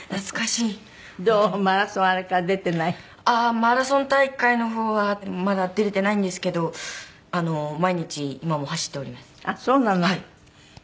マラソン大会の方はまだ出れていないんですけど毎日今も走っております。